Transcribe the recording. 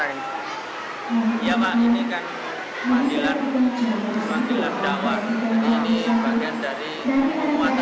ya pak ini kan panggilan dakwa ini bagian dari kekuatan kita